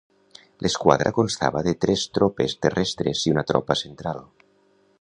L'esquadra constava de tres tropes terrestres i una tropa central.